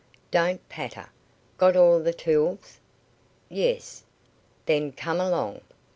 "Don't patter. Got all the tools?" "Yes." "Then come along."